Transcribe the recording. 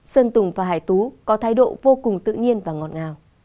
sơn tùng và hải tú có thái độ vô cùng tự nhiên và ngọt ngào